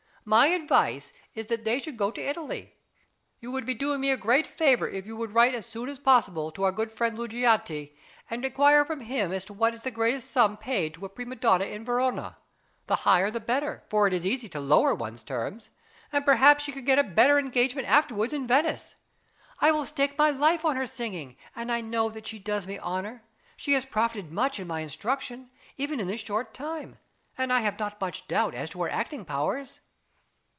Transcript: My advice is that they should go to Italy. You would be doing me a great favour if you would write as soon as possible to our {MANNHEIM.} (424) good friend Lugiati (p. 108), and inquire from him what is the highest sum paid to a prima donna in Verona the higher the better, for it is easy to lower one's terms and perhaps she could get a better engagement afterwards in Venice. I will stake my life on her singing, and I know that she does me honour. She has profited much by my instruction, even in this short time, and I have not much doubt as to her acting powers.